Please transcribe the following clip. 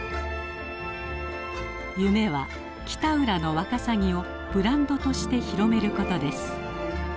夢は北浦のワカサギをブランドとして広めることです。